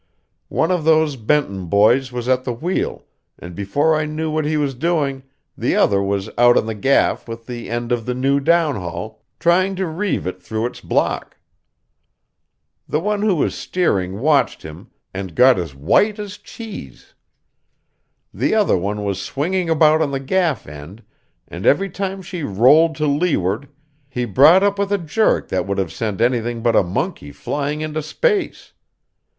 One of those Benton boys was at the wheel, and before I knew what he was doing, the other was out on the gaff with the end of the new downhaul, trying to reeve it through its block. The one who was steering watched him, and got as white as cheese. The other one was swinging about on the gaff end, and every time she rolled to leeward he brought up with a jerk that would have sent anything but a monkey flying into space.